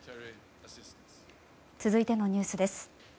続いてのニュースです。